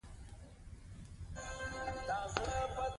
اوس مو اور، ویني او اوښکي په نصیب دي